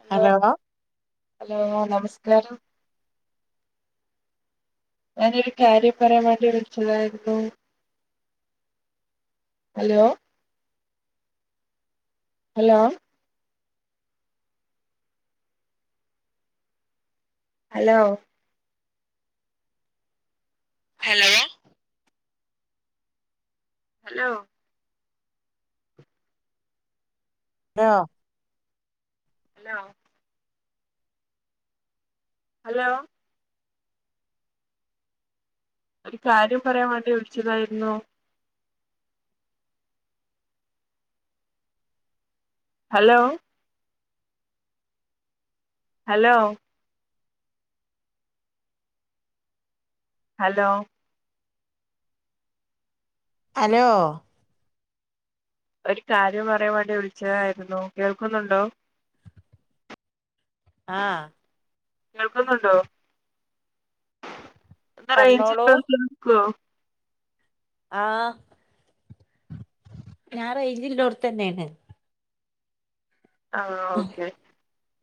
Hello നമസ് ആ ഞാനരു കാര്യം പറയാൻ വേണ്ടി വിളിച്ചതായിരുന്നു hello hello hello hello hello ആഹ ഹലോ ഹലോ ഒരു കാര്യം പറയാൻ വേണ്ടി വിളിച്ചതായിരുന്നു ഹലോ ഹലോ ഹലോ ഹലോ ഒരു കാര്യം അറിയാൻ വേണ്ടി വിളിച്ചതായിരുന്നു കേൾക്കുന്നുണ്ടോ ആഹ കേൾക്കുന്നുണ്ടോ എ പറഞ്ഞോളൂ റേഞ്ച്ക്കോ ആ ഞാറ യ്ഞ്ചിലന്റെടുത്ത തന്നെയാണ് ആഹ ഓക്കെ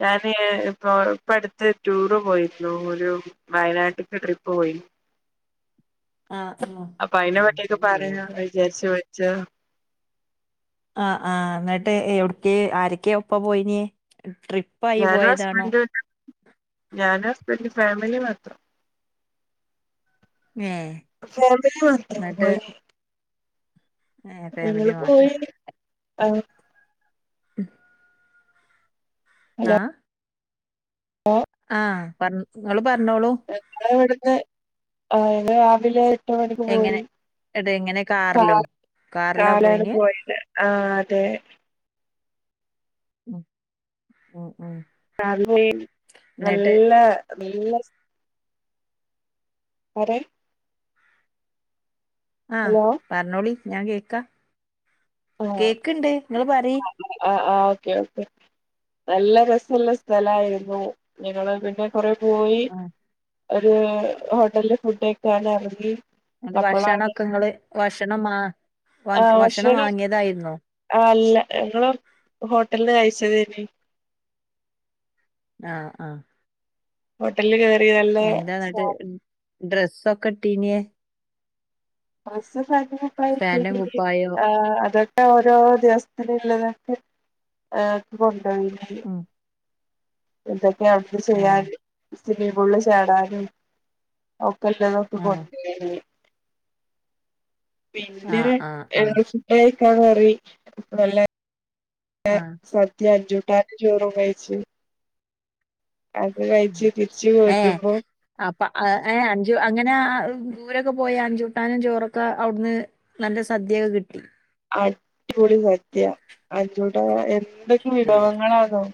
ഞാന് ഇപ്പൊ ഇപ്പ അടുത്ത് ടൂറ് പോയിരുന്നു ഒരു വയനാട്ടക്ക് ട്രിപ്പ് പോയി ആ ആ അപ്പൊ അയിന പറ്റിയൊക്കെ പറ വിചാരിച്ച വെച്ച ആ ആഹ എന്നിട്ട് എവിടക്ക് ആരൊക്കെ ഒപ്പ പോയിനേ ഞാനാ ഹസ്പെന്റ് ഞാനാ ഹസ്പെൻറ് ഫാമിലി മാത്രം ഏ ഫാമിലി മാത്ര ഏ ഫാമിലി മാത്ര ആഹ ഉ ഹലോ ആഹ ആഹ പറ പറഞ്ഞോളൂ ങ്ങള ഇവിടുന്ന് ആ രാവിലെ ണിടിക്ക് എങ്ങനെ പോയി എടെ എങ്ങനെ കാറിലോ കാറിലാ കാർലാണ് പോയിന് പോയത് ആഹ അതെ ഉ ഉ അ നല്ല നല്ല അര ആഹ ഹലോ പറഞ്ഞോളി ഞാൻ കേക്കാ കേക്കുണ്ട് നിങ്ങള് പറ ആ് ഓക്കെ ഓക്കെ നല്ല രസമുള്ള സ്ഥലയിരുന്നു ങ്ങള് പിന്നെ കുറ പോയി ആ ഒരു ഹോട്ടലില് ഫുഡ ഒക്കാണ് അല്ലങ്കിൽ അ ഭക്ഷണംക്കെ നിങ്ങള് ഭക്ഷണം വ വാ ഭക്ഷണം വാങ്ങി ആ അല്ല ഞങ്ങള് ഹോട്ടലന്ന് കഴച്ചത് അ ആഹ ആഹ ഹോട്ടലില് കയറി നല്ലവാ ഡ്രെസോ കട്ടീണിയ ഡ്രസ്സൊക്കെ ഫന്റ് കുപ്പായം ഫാന്റും ഇട്ട് കുപ്പായോ അത [unintelligible] ഓരോ ദിവസത്തിനുംള്ളതൊക്കെ ഏ കൊണ്ടപോ- ഉം ഇതൊക്കെ അവിടെ ഏഹ് ചെയ്യാനും സ്മീം പുള്ളള് ചാടാനും- കല്ലതൊക്ക ആഹ് കൊണ്ടേ പിന്നെ ആഹ് ആഹ് ആഹ് ഫുഡ് കയ്ക്കാൻ കയറി നല്ല ആഹ് സദ്യ കൂട്ടാനും ജോറപേച്ച അത് ഉം. കഴിച്ചു തിരിച്ച് ഏഹ് വരുമ്പോ- അപ്പ അഞ്ചു അങ്ങനെ ദൂരൊക്കെ പോയി അഞ്ചുവിട്ടാനും ചോറൊക്കെ അവിടുന്ന് നല്ല- സദ്യയ കിട്ടി. അടിപൊളി സദ്യ അതിന്റെടെ എന്തൊക്കെ വിഭവങ്ങളാകും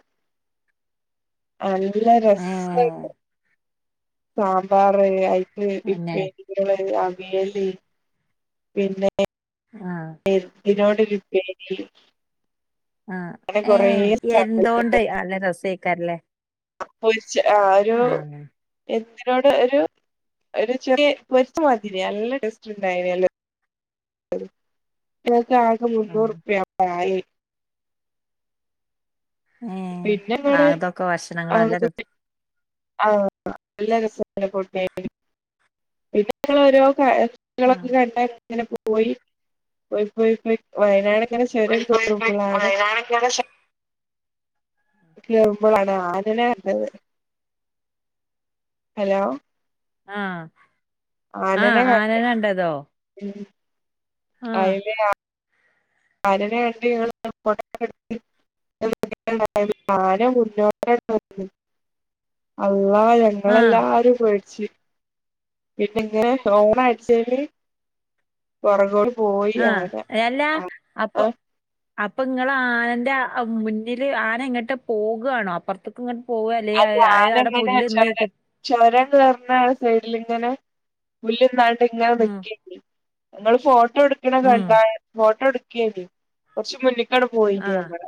നല്ല ഏഹ് രസമായിട്ട് സാമ്പാർ ആയി പിന്നെ ഉപ്പേരികള്, അവിയല് പിന്നെ ആ ഇതട്ട ല ആ ഏ എന്തോണ്ട് അല്ല രസക്കാരല്ലേ അ ഒരു എ അവോട് ഒരു ഒരു ചെറിയ പൊരുത്ത മതി നല്ല ടസ്റ്റ് ഉണ്ടായില്ല ഇസ ആക ആഹ് മുന്നൂറുപായി ഏഹ് പിന്നെ അടെ ആഹ് അതൊക്കെ ഭക്ഷണങ്ങള് ആ നല്ല രസ ആ നല്ല രസട്ടോ ളൊക്കെ കണ്ടാ അങ്ങനെ പോയി പോയി പോയി പോയി വയനാട് അങ്ങനെ ചുരം കയറുമ്പോളാണ് ആഹ് കേറ്പോളാണ് ആനനെ കണ്ടത് ഹലോ ആ ആ ആനനെ ആനന കണ്ടതോ? ആഹ് അയില് ആനനെ കണ്ട് ഞങ്ങൾള് ഫോട്ടോ ക്കെ എടുത്തു ആരഞ്ഞട്ടട്ട അള്ളാ ആഹ് ഞങ്ങളെല്ലാരും പേടിച്ച് പിന്നെങ്ങ ഓണ അടിച്ചല് പുറക ആ എല്ലാ അപ്പൊ- അപ്പൊ ഇങ്ങ ആനന്റെ മുന്നില് ആന ഇങ്ങോട്ട് പോകുകയാണോ അപ്പുറത്തേക്ക ഇങ്ങ- അതഞാന എങ്ങനെ ചര ചര സൈഡിൽ ഇങ്ങനെ പുല്ലട്ട് ഇങ്ങന ഉം വെക്ക ഫോ ഫട്ട എടുക്കണ ഉം കണ്ട ഫോട്ടോ എടുക്കേ കുറച്ച് മുന്ന- അടെ പോയിട്ട് ആഹ് ഞങ്ങ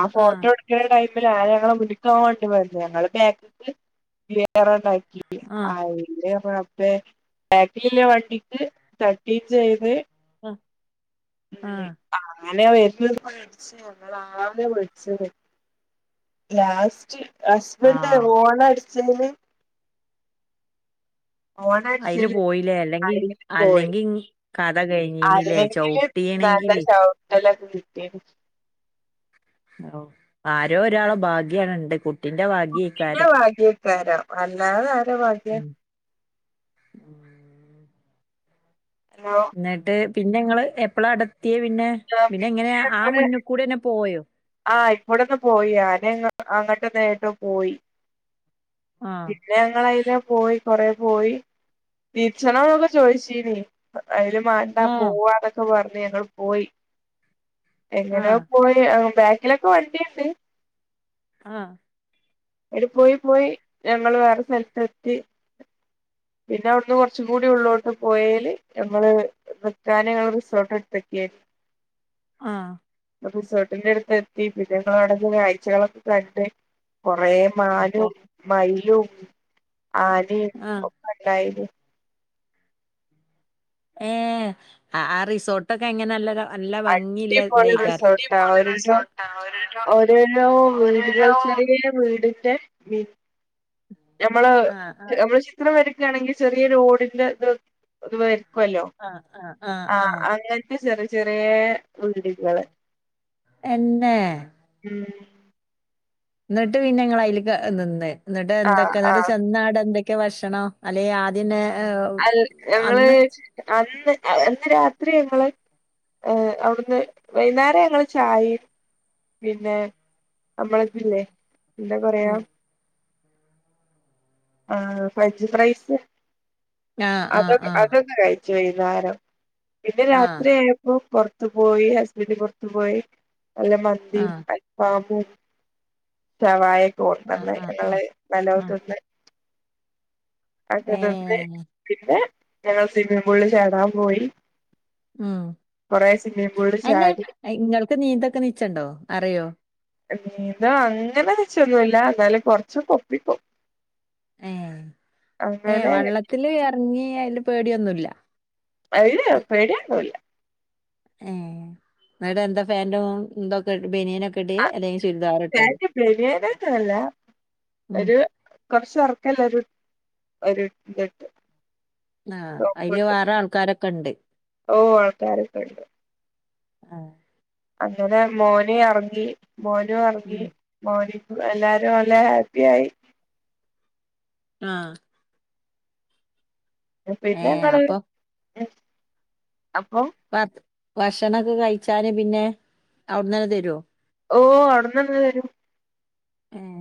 ആ ആഹ് ഫോട്ടോ എടുക്ക ടൈമിൽ ആ ഞങ്ങ- ണ്ട് വണ്ട് ഞങ്ങള് ബാക്ക വേറണ്ടാക്കി ആഹ് അതില് റബ്ബേ ബാക്കല്ല വണ്ടി തട്ടീ ചെയ്ത് ആ ഞനെ വരുന്ന മേടിച്ച ഞങ്ങാവിലെ മേടിച്ച ലാസ്റ്റ് ഹസ്ബൻഡ ആഹ് ഹോണ അടിച്ചേന് ഓണ അയില് അടിച്ച പോയില്ലേ അല്ലെങ്കി അരിൽ പോയി അല്ലെങ്കി കഥ കഴിഞ്ഞീനില്ലേ അരുെങ്കില് നല്ലല്ല ചവിട്ടീണെങ്കില് ശവിട്ടലക്കേ കിട്ടിനെ ഓ ആരോ ഒരാളോ ഭാഗ്യണ ഇണ്ട് കുട്ടിന്റെ ഭാഗ്യക്കാരം രം അല്ലാതെ ആരോ ഭാഗ്യ? ഉ ഹലോ എന്നിട്ട് പിന്നെ ഞങ്ങള് എപ്പഴാ അടു- ആ പിന്നെ മുന്ന്കൂടെന്നെ പോയോ? ആ ഇപ്പോടെന്ന് പോയി ആ! അങ്ങോട്ട് നേരിട്ട് പോയി ആഹ്. പിന്നെ ഞങ്ങളതിലൂ പോയി കൊറെ പോയി തീരീച്ചുണൊക്കെ ചോയിച്ചീനീ അതിന് മേണ്ട ആഹ്. പോവാന്നൊക്കെ പറഞ്ഞ് ഞങ്ങൾ പോയി എങ്ങയോ ആഹ്. പോയി ബാക്കിലൊക്കെ വണ്ടിയുണ്ട് ആ എടി പോയി പോയി ഞങ്ങൾ വേറെ സ്ഥലത്ത് എത്തി പിന്നെ അവിടുന്ന് കുറച്ച കൂടി ഉള്ളോട്ട് പോയല് ഞങ്ങള് നിക്കാന റിസോർട്ട് എടുത്തക്കായിരുന്നു [inaudible] ആഹ റിസോർട്ടിന്റെ അടുത്ത് എത്തി പിന്നെ ഞങ്ങൾ അവിടെ ചിലെ കാഴ്ചകളൊക്കെ കണ്ട് കൊറേ അപ്പൊ മാനും മയിലും ആനയും ആഹ്. [unintelligible] ഏ ആ റിസോർട്ടൊക്കെ എങ്ങനെയാ നല്ലതാ അല്ല ഭംഗില്ല അടിപൊളി റിസോർട്ടാ ഓരോരോ ഓരോരോ [unintelligible] [unintelligible] വീടിന്റെ നമ്മൾ ആഹ്. ആഹ്. നമ്മൾ ചിത്രം വരക്കുകയാണെങ്കിൽ ചെറിയ ഓടിന്റെ ഇത് ഇത് ഉക്കല്ലോ ആഹ്. ആഹ്. ആഹ്. ആ ആഹ്. അങ്ങനത്തെ ചെറിയ ചെറിയ ഉള്ളികള് [unintelligible] എന്നേ ഉം എന്നിട്ട് പിന്നെ നിങ്ങൾ അതിൻ നിന്ന് എന്നിട്ട് ആഹ് എന്തൊക്കെ എന്നിട്ട് ആഹ് ചെന്നാട് എന്തൊക്കെ ഉച്ച ഭക്ഷണോ അല്ലെ ആദ്യനെ അ ഞങ്ങളൾ അന്ന് അന്ന് രാത്രി ഞങ്ങളൾ [unintelligible] ഏ അവിടുന്ന് വൈകുന്നേരം ഞങ്ങൾ ചായയും പിന്നെ നമ്മളക്കില്ലേ എന്താ പറയാ ഉം. ആ ഫ്രഞ്ച് ഫ്രൈസ് ആഹ്. അത അതൊ ആഹ്. ആഹ്. അതൊക്കെ കഴിച്ചു [unintelligible] ചെയ്തരം പിന്നെ ആഹ്. രാത്രി [inaudible] പുറത്തു പോയി ഹസ്ബന്ഡും പുറത്തു പോയി നല്ല മന്തിയും ആഹ്. അൽഫാമും ഷവായ ആഹ്. കൂടന്ന് ആഹ്. ആഹ്. െ ആഹ്. വലോത്തന്ന് [unintelligible] അതതന്നന്ന് ഏഹ്. പിന്നെ ഞങ്ങൾ സ്വിമ്മിംഗ പൂളിൽ ചേടാൻ പോയി ഉം കൊറേ സ്വിമ്മിംഗ് പൂളിൽ അല്ലെ ചാടി നിങ്ങൾക്ക് നീന്തൊക്കെ നിച്ചണ്ടോ അറിയോ നീത അങ്ങനെ വെച്ചൊന്നുമല്ല എന്നല് കൊറച്ച്ും കൊപ്പിക്കും ഏ ഏ വള്ളത്തിൽ ഇറങ്ങി അതിൽ പേടിയൊന്നുമില്ല അത് പേടിയയാണില്ല ഏ എന്നിട്ട് എന്താ പാന്റും എന്തൊക്കെ ആ ക ബയാാനട്ടല്ല [unintelligible] ഉം. ഒരു കൊറച്ച് ഉറക്കല്ല ഒരു ഒരു ഇട്ട് [unintelligible] ആ അതില് നോക്ക വേറെ ആൾക്കാരൊക്കെ ഉണ്ട് ഓ ആൾക്കാരൊക്കെ ഉണ്ട് [unintelligible] ആഹ അങ്ങനെ മോന ഇറങ്ങി മോനു ഇറങ്ങി ഉം. മോനി എല്ലാരും നല്ല ഹാപ്പി ആയി ആഹ പിന്നെ കാണ അപ്പൊ അപ്പൊ [unintelligible] [inaudible] ഭ- ഭക്ഷണൊക്കെ കഴിച്ചാൽ പിന്നെ അവിടെന്ന് തന്നെ തരുവോ ഓ അവിട്നന്നൻ തരും ആഹ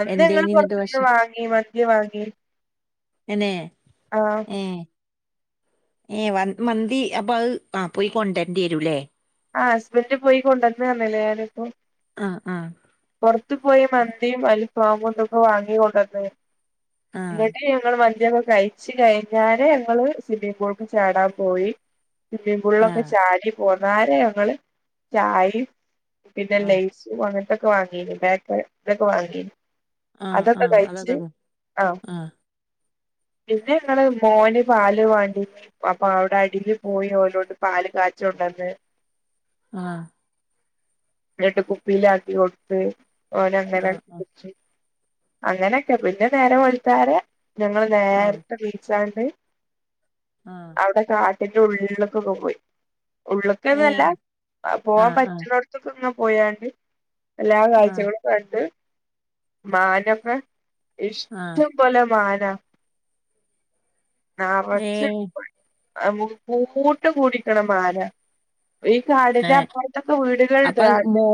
അന്ന് ഞങ്ങൾ പുറത്തന്ന് വാങ്ങി മന്തി വാങ്ങി തനെ [unintelligible] ആഹ ഏ മന്തി അപ്പൊ അത് ആ പോയി കൊണ്ടരേണ്ടി വരൂല്ലേ ആ ഹസ്ബൻഡറ് ഇപ്പോ പോയി കൊണ്ടുവന്നില്ല ആ ആ ഇപ്പൊ യി മന്തി അൽഫാമും ന്തൊക്കെ വാങ്ങി കൊണ്ടന്ന് ആ ങ്ങട്ട് ഞങ്ങൾ ഇതൊക്കെ കയിച് കഴിഞ്ഞാരെ ഞങ്ങള് സിമ്മിങ് പൂൾക് ചാടാൻ പോയി സിമ്മിംഗ് ആ പൂൾലൊക്കെ ചാടി പോന്നാരെ ഞങ്ങള് ചായിം പിന്നെ ആ ലൈസും അങ്ങൻതൊക്ക വാങ്ങി [unintelligible] വാങ്ങി ആ ആ അതൊക്കെ തന്നെ ആ പിന്നെങ്ങള് മോന് പാൽ വാങ്ങി അപ്പ അവ്ടെ അടീല് പോയി ഓലോട് പാൽ കാ ച്ച്യൊണ്ടന്ന് ആ ഇന്നിട്ട് കുപ്പീലാക്കി കൊട്ത്ത് ഓനങ്ങന ആഹ് കുടിച് അങ്ങനെക്കെ പിന്നെ നേരം വെൾത്താരെ ഞങ്ങള് ആഹ് നേര്ത്തെ ബീച്ചാ ണ്ട് ആഹ് അവിടെ കാട്ടിന്റെ ഉള്ള്ക്കൊക്കെ പോയി ഉള്ള്ക്നല്ല ഏഹ് പോവാൻ ആഹ് ആഹ് പറ്റുണോട്തൊക്കെ പോയാണ്ട് എല്ലാ ആഹ് കാഴ്ചകളും കണ്ട് മാനൊക്കെ ആഹ് ഇഷ്റ്റം പോലെ മാന നറച്ച് ഏഹ് അ മു കു കൂട്ടം കൂടീട്ടാണ് മാന ഈ കാടിന്റെ ഏഹ് അപ്പുറത്തൊക്കെ വീടുകളുണ്ട് അപ്പ മോ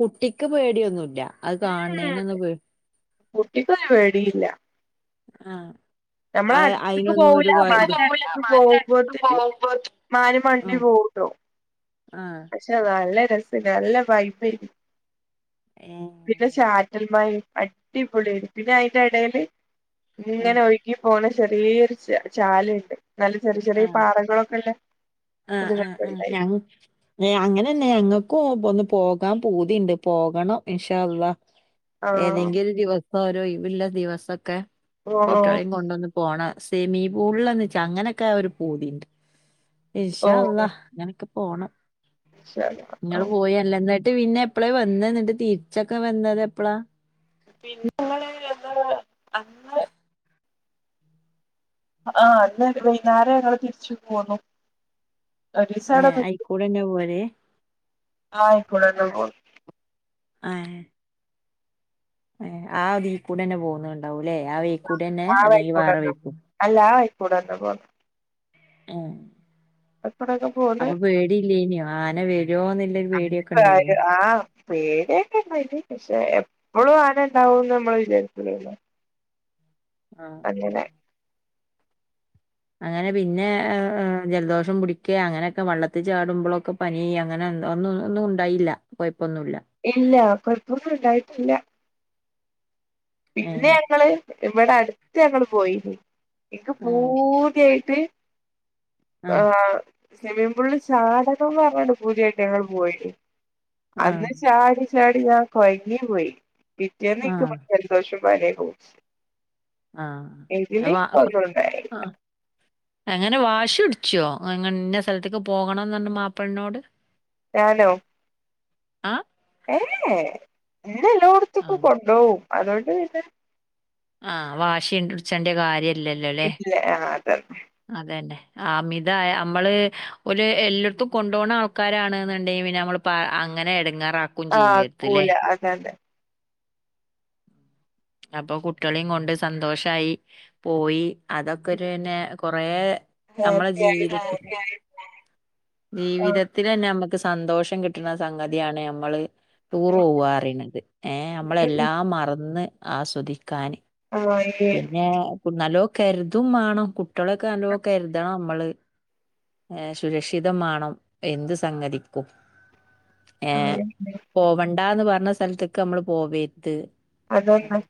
കുട്ടിക്ക് പേടിയൊന്നുല്ല അത് കാൺ ഉം ണേനൊന്നും പേ കുട്ടിക്കൊരു പേടീല്ല അ അയ് അയ്നൊന്നും പോവൂല ഒരുകൊയ് മാനിന്റെ മാർ മണ്ടി പോവുട്ടോ ആഹ് പക്ഷേ നല്ല രസണ്ട് നല്ല വൈബേണി ഏഹ് പിന്നെ ചാറ്റൽ മയിം അഡ്ഢി പൊള്യേനി പിന്നെ അയിന്റെടേല് ഇങ്ങനെ ആഹ് പോയി ഓടെ ചെറീയൊരു ചാല് ണ്ട് നല്ല ചെറ്യെ ചെറ്യെ പാറകളൊക്കല്ല അ അ അ ഞങ് ഏ അങ്ങനെന്നെ ഞങ്ങക്കും പൊന്ന് പോകാം പൂതിണ്ട് പോകണം ഇന്ഷാ അല്ലാഹ് ആഹ് ഏതെങ്കിലും ഒരു ദിവ ഓരോ ഒയ്വില്ല ദിവസക്കേ ഓഹ് ഓഹ് കുട്ടാളിം കൊണ്ടൊന്നു പോണ സെമീ പൂൾലൊന്ന് ചാ അങ്ങനെക്കെ ഒരു പൂതിണ്ട് ഇന്ഷാ ഓഹ് അല്ലാഹ് അങ്ങക്കെ പോണം ഇൻഷാ അല്ലാഹ് ഇങ്ങള് ആഹ് പോയല്ലെന്ന് ട്ട് പിന്നെ എപ്പളേ വന്നെ ഇന്നട്ട് തിരിച്ചൊക്കെ വന്നതപ്പളാ പിന്നെങ്ങള് വന്നത് അന്ന് ആ അന്നൊരു വൈന്നേരങ്ങള് തിരിച്ചു പോന്നു ഒരീസം ഏ അവടെ നിന്നു ഐക്കൂടെന്നെ പോല് ആ അയ്ക്കുടെന്നെ പോ ഏഹ് ഏ ആ ഇതികുടെന്നെ പൊന്നീണ്ടാവുല്ലേ ആ വൈകു‌ടെന്നെ ആ അല്ലെ അല്ലെ വേറെ വഴിക്കൂടെന്നെ വൈക്കൂ [unintelligible] ഹേ അയിക്കൂടൊക്കെ പോന്ന് അപ്പ പേടില്ലെയ്ന്യോ ആന വരോന്ന്ള്ള ഒര് പേട്യൊക്കെണ്ടെയ്ന്യോ പേട്യെക്കെണ്ടെയിനി പക്ഷേ എപ്പളും ആനണ്ടാവുന്നമ്മള് വിചാരിക്കുലല്ലോ ആ അ അങ്ങനെ പിന്നെ ഏ ജലദോഷം പിടിക്കേ അങ്ങനെക്കോ വള്ളത്തി ചാടുമ്പളൊക്കെ പനി അങ്ങന ഒന്നു ഒന്നും ഒന്നുണ്ടായില്ല കൊയ് ഇല്ല കൊയപ്പൊന്ന് ഇണ്ടായിട്ടില്ല ഏ പിന്നെയങ്ങള് ഇവിടെ അടുത്ത് ഞങ്ങള് പോയിനി ഇന്ക് ആ പൂത്യയിട്ട് ആ ആഹ് സിമ്മി പൂൾ ചാടണം ന്ന് പർഞ്ഞിട്ട് പൂത്യായിട്ട് ഞങ്ങള് പോയീനി ആഹ് അന്ന് ചാടി ചാടി ഞാൻ കൊയങ്ങി പോയി പിറ്റേന്ന് ഇന്ക് പ ആഹ് ജൽദോഷം പന്യോക്കെ പുടിച് ആഹ് അപ്പൊ ആ അങ്ങനെ വാശ്യുട്ച്ച്വോ ഇങ്ങ ഇന്ന സൽത്തിക്ക് പോകണന്നർഞ്ഞ് മാപ്പൾനോട് ഞാനോ? ആ ഏ എന്ന എല്ലോടത്തക്കും ആഹ് കൊണ്ടോവും അതുകൊണ്ട് പിന്നെ ആ വാശിന്റെച്ചന്റെ കാര്യ കിട്ട്ലേ ആ അതാണ്. അതെന്നെ അമിതായ അമ്മള് ഓല് എല്ലാടത്തും കൊണ്ടോണ ആൾക്കാരാണന്ന്ണ്ടെ ക്ക്‌ പിന്ന അമ്മള് പ അങ്ങനെ എടുങ്ങാറാക്കും ആഹ് ചെയ്യരുത് ലേ? ആക്കൂല അതെ അതെ അപ്പൊ കുട്ട്യാളെയും കൊണ്ട് സന്തോഷായി പോയി അതൊക്കൊരുന്നെ കൊറ നമ്മളെ ഹാപ്പി ആയി ജീവിതത്തിൽ പോയി ജീവിതത്തിലന്നെ അമ്മക്ക് സന്തോഷം കിട്ടണ സംഗതിയാണ് യമ്മള് ടൂറ് ആഹ് പോവ ന്നറയുന്നത് ഏ അമ്മളെല്ലാം മറന്ന് ആസ്വദിക്കാന് പിന്നെപ്പ നല്ലോ കരുതും വാണം കുട്ടികളൊക്കെ നല്ലോ കരുതണം നമ്മള്. സുരക്ഷിതം മാണം എന്തു സംഗതിക്കും. ഏ ആഹ് പോവണ്ടാന്ന് പറഞ്ഞ സ്ഥലത്തെക്കെ അമ്മള് പോവരുത്. അതന്നെ